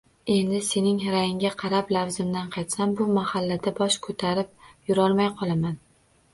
Endi sening ra`yingga qarab, lafzimdan qaytsam, bu mahallada bosh ko`tarib yurolmay qolaman